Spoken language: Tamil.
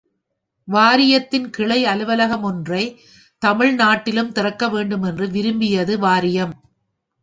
வாரியத்தின் கிளை அலுவலகம் ஒன்றைத் தமிழ் நாட்டிலும் திறக்க வேண்டுமென்று விரும்பியது வாரியம்!